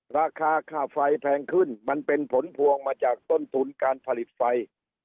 ราคาค่าไฟแพงขึ้นมันเป็นผลพวงมาจากต้นทุนการผลิตไฟ